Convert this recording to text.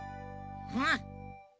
うん。